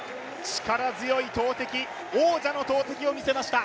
力強い投てき、王者の投てきを見せました。